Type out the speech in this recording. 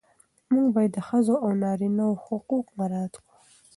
موږ باید د ښځو او نارینه وو حقوق مراعات کړو.